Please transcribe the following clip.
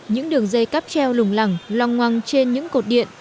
những đường dây cáp treo lùng lẳng lòng ngoăng trên những cột điện